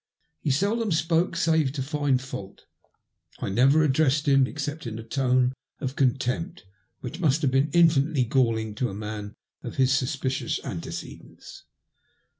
He seldom spoke save to find fault ; I never addressed him except in a tone of contempt which must have been infinitely galling to a man of his supicious antecedents.